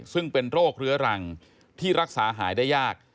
ซึ่งเป็นโรคเรื้อรังที่รักษาหายได้ยาก